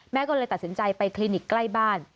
ก็เลยตัดสินใจไปคลินิกใกล้บ้าน